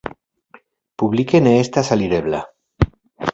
Publike ne estas alirebla.